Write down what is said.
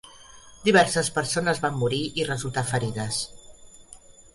Diverses persones van morir i resultar ferides.